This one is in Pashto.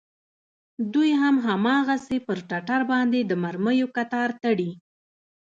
دوى هم هماغسې پر ټټر باندې د مرميو کتار تړي.